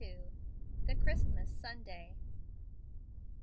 THE CHRISTMAS SUNDAY.